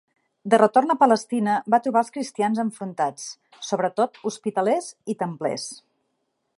De retorn a Palestina va trobar els cristians enfrontats, sobretot hospitalers i templers.